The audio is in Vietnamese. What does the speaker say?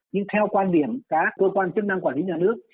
nhưng theo quan điểm các cơ quan chức năng quản lý nhà nước